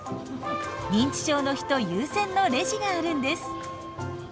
認知症の人優先のレジがあるんです。